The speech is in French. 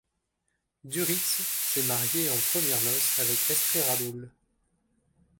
Du Rietz s'est marié en premières noces avec Estré Radoul.